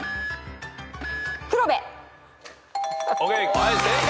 はい正解。